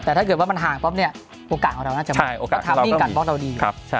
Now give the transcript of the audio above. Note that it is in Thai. แต่ถ้าเกิดว่ามันห่างปั๊บเนี่ยโอกาสของเราน่าจะทำให้การบล็อกเราดี